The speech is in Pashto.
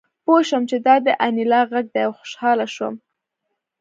پوه شوم چې دا د انیلا غږ دی او خوشحاله شوم